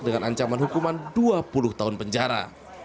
dengan ancaman hukuman dua puluh tahun penjara